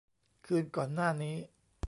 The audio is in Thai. คืนก่อนหน้านี้